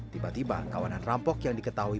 tiba tiba kawanan rampok yang diketahui